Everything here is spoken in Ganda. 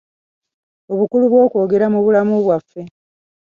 Obukulu bw’okwogera mu bulamu bwaffe.